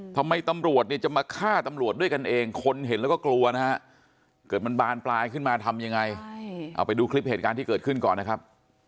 ตำรวจเนี่ยจะมาฆ่าตำรวจด้วยกันเองคนเห็นแล้วก็กลัวนะฮะเกิดมันบานปลายขึ้นมาทำยังไงเอาไปดูคลิปเหตุการณ์ที่เกิดขึ้นก่อนนะครับ